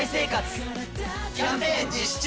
キャンペーン実施中！